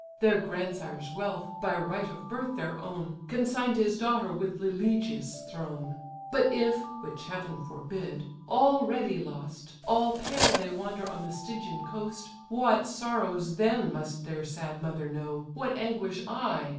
(Their grandsire's wealth, by right of birth their own, Consign'd his daughter with Lelegia's throne:) But if (which Heaven forbid) already lost, All pale they wander on the Stygian coast; What sorrows then must their sad mother know, What anguish I?